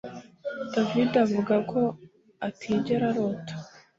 David avuga ko atigera arota